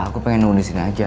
aku pengen nunggu di sini aja